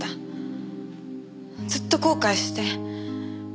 ずっと後悔して。